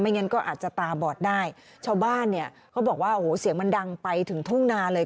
งั้นก็อาจจะตาบอดได้ชาวบ้านเนี่ยเขาบอกว่าโอ้โหเสียงมันดังไปถึงทุ่งนาเลย